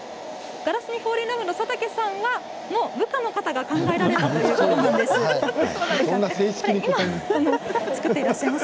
ガラスにフォーリンラブの佐竹さんの部下の方が考えられたということです。